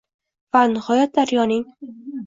Va nihoyat daryoning